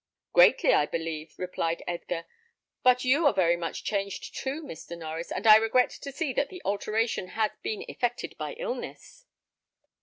"Greatly, I believe," replied Edgar; "but you are very much changed too, Mr. Norries, and I regret to see that the alteration has been effected by illness."